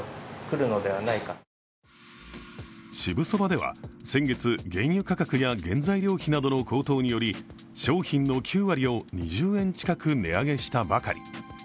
そばでは先月、原油価格や原材料費などの高騰により商品の９割を２０円近く値上げしたばかり。